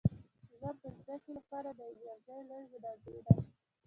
لمر د ځمکې لپاره د انرژۍ لویه منبع ده.